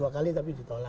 dua kali tapi ditolak